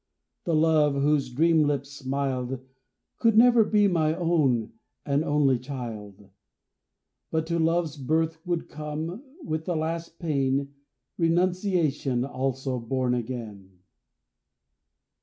The Love whose dream lips smiled Could never be my own and only child, But to Love's birth would come, with the last pain, Renunciation, also born again.